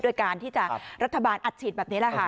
การที่จะรัฐบาลอัดฉีดแบบนี้แหละค่ะ